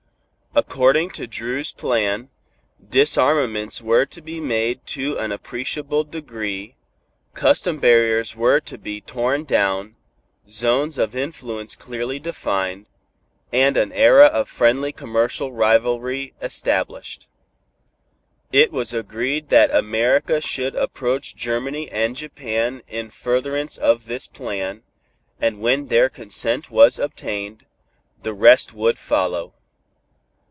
According to Dru's plan, disarmaments were to be made to an appreciable degree, custom barriers were to be torn down, zones of influence clearly defined, and an era of friendly commercial rivalry established. It was agreed that America should approach Germany and Japan in furtherance of this plan, and when their consent was obtained, the rest would follow.